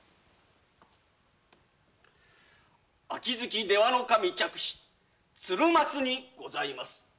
秋月出羽守嫡子鶴松にございます。